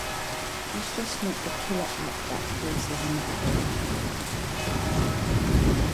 It's just not the killer app that forces an upgrade.